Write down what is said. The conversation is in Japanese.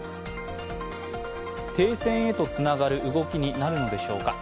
停戦へとつながる動きになるのでしょうか。